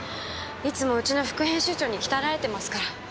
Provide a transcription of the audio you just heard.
いつもうちの副編集長に鍛えられてますから。